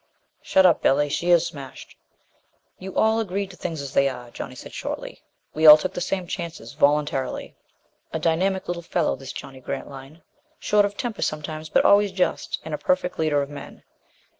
"Shut up, Billy. She is smashed." "You all agreed to things as they are," Johnny said shortly. "We all took the same chances voluntarily." A dynamic little fellow, this Johnny Grantline. Short of temper sometimes, but always just, and a perfect leader of men.